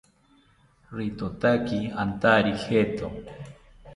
Ritotaki antari jeto